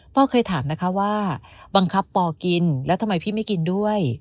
พ่อเคยถามนะคะว่าบังคับปอกินแล้วทำไมพี่ไม่กินด้วย